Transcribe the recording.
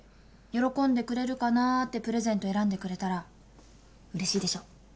「喜んでくれるかな？」ってプレゼント選んでくれたらうれしいでしょ？